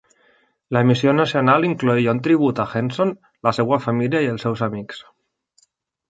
L"emissió nacional incloïa un tribut a Henson, la seva família i els seus amics.